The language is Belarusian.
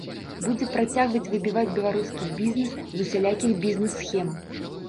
Будзе працягваць выбіваць беларускі бізнэс з усялякіх бізнэс-схем.